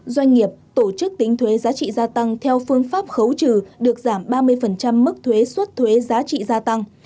doanh nghiệp tổ chức tính thuế giá trị gia tăng theo phương pháp khấu trừ được giảm ba mươi mức thuế xuất thuế giá trị gia tăng